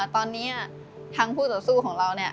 ตอนนี้ทั้งผู้สังสู้ของเราเนี่ย